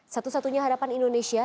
satu satunya hadapan indonesia